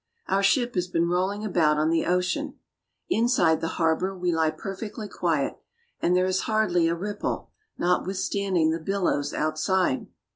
Our ship has been rolling about on the ocean. Inside the harbor we lie perfectly qui^et, and there is hardly a ripple, notwithstanding the billows outside.